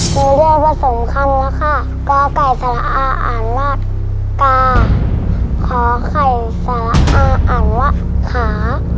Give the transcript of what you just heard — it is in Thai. มีเลือกว่าสมคำแล้วค่ะกล้าไก่สาระอาหารว่ากาขอไก่สาระอาหารว่าขา